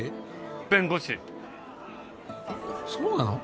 そうなの？